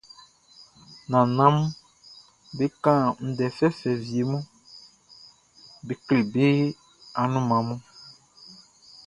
Nannanʼm be kan ndɛ fɛfɛ wie mun be kle be anunman mun.